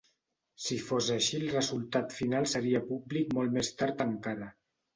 Si fos així el resultat final seria públic molt més tard encara.